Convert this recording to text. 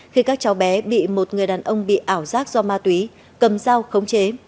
khi các cháu bé bị một người đàn ông bị ảo giác do ma túy cầm dao khống chế